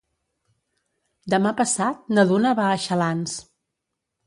Demà passat na Duna va a Xalans.